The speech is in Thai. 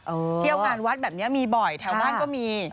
เที่ยวงานวัดแบบนี้มีบ่อยแถวบ้านก็มี